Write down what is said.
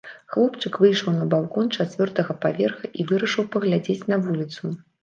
Хлопчык выйшаў на балкон чацвёртага паверха і вырашыў паглядзець на вуліцу.